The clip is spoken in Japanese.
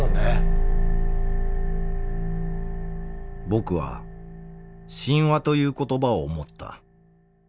僕は神話という言葉を思った。